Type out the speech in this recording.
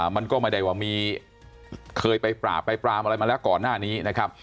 มันก็ไม่ได้ว่ามีเคยไปปราบไปปรามอะไรมาแล้วก่อนหน้านี้นะครับ